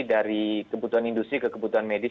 dari kebutuhan industri ke kebutuhan medis